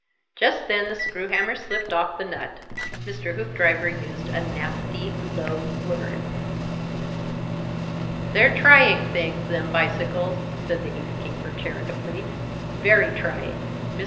Just then the screw hammer slipped off the nut. Mr. Hoopdriver used a nasty, low word. "They're trying things, them bicycles," said the heath keeper, charitably. "Very trying." Mr.